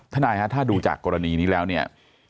ทนายฮะถ้าดูจากกรณีนี้แล้วเนี่ย